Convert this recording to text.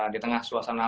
di tengah suasana